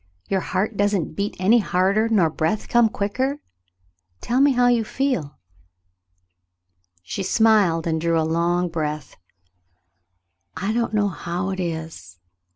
^ Your heart doesn't beat any harder nor your breath come quicker? Tell me how you feel." 194 The Mountain Girl She smiled and drew a long breath. I don't know how it is.